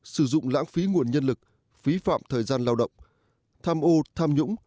sử dụng lãng phí nguồn nhân lực phí phạm thời gian lao động tham ô tham nhũng